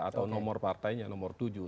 atau nomor partainya nomor tujuh